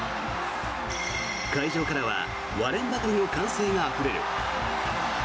会場からは割れんばかりの歓声があふれる。